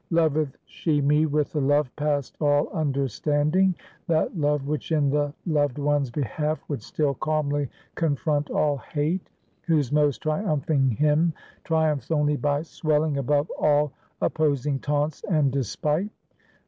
Loveth she me with the love past all understanding? that love, which in the loved one's behalf, would still calmly confront all hate? whose most triumphing hymn, triumphs only by swelling above all opposing taunts and despite?